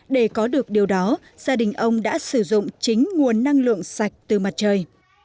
để có được điều đó gia đình ông đã sử dụng chính nguồn năng lượng sạch từ mặt trời